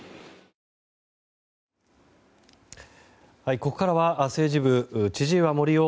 ここからは、政治部千々岩森生